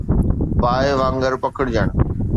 باهه وانگر پکڙجڻ